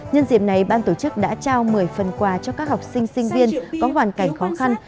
nhân dịp này ban tổ chức đã trao một mươi phần quà cho các học sinh sinh viên có hoàn cảnh khó khăn